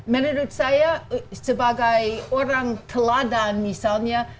menurut saya sebagai orang teladan misalnya